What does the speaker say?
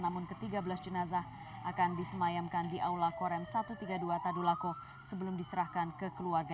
namun ke tiga belas jenazah akan disemayamkan di aula korem satu ratus tiga puluh dua tadulako sebelum diserahkan ke keluarga